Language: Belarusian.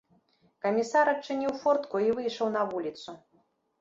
Камісар адчыніў фортку і выйшаў на вуліцу.